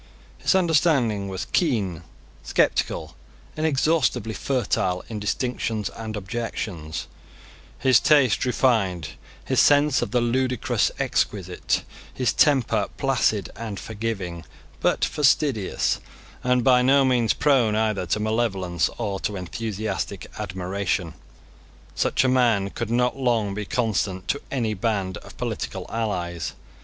His understanding was keen, sceptical, inexhaustibly fertile in distinctions and objections; his taste refined; his sense of the ludicrous exquisite; his temper placid and forgiving, but fastidious, and by no means prone either to malevolence or to enthusiastic admiration. Such a man could not long be constant to any band of political allies.